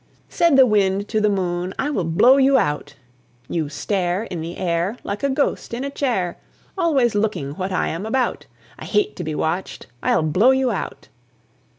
(1824 .) Said the Wind to the Moon, "I will blow you out, You stare In the air Like a ghost in a chair, Always looking what I am about I hate to be watched; I'll blow you out."